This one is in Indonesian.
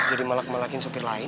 jadi melekin melekin sopir lain